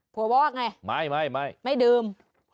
บอกว่าไงไม่ไม่ดื่ม